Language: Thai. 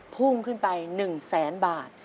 พุ่งขึ้นไป๑๐๐๐๐๐บาท